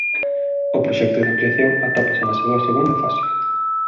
O proxecto de ampliación atópase na súa segunda fase.